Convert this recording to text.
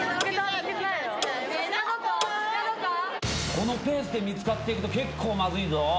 このペースで見つかっていくと結構まずいぞ。